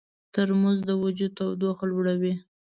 ترموز د وجود تودوخه لوړوي.